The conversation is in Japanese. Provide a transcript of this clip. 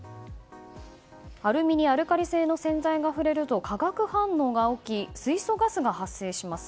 アルミにアルカリ性の洗剤が触れると化学反応が起き水素ガスが発生します。